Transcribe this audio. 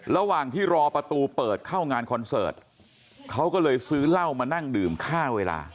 ระหว่างที่รอประตูเปิดเข้างานคอนเสิร์ตเขาก็เลยซื้อเหล้ามานั่งดื่มค่าเวลา